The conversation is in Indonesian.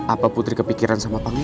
apa putri kepikiran sama pangeran